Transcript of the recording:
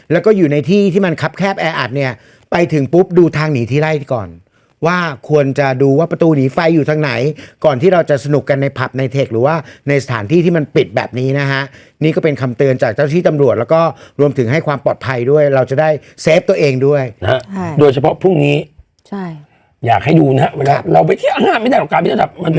แล้วก็อยู่ในที่ที่มันครับแคบแออัดเนี่ยไปถึงปุ๊บดูทางหนีที่ไล่ก่อนว่าควรจะดูว่าประตูหนีไฟอยู่ทางไหนก่อนที่เราจะสนุกกันในผับในเทคหรือว่าในสถานที่ที่มันปิดแบบนี้นะฮะนี่ก็เป็นคำเตือนจากเจ้าที่ตำรวจแล้วก็รวมถึงให้ความปลอดภัยด้วยเราจะได้เซฟตัวเองด้วยนะฮะโดยเฉพาะพรุ่งนี้ใช่อยากให้ดูนะฮะเวลาเราไปเที่ยวห้างไม่ได้หรอก